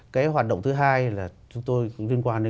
cái hoạt động thứ hai là chúng tôi cũng liên quan đến